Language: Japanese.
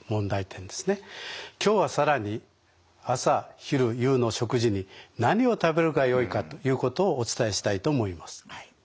今日は更に朝昼夕の食事に何を食べるがよいかということをお伝えしたいと思います。